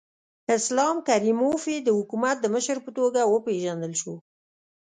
اسلام کریموف یې د حکومت د مشر په توګه وپېژندل شو.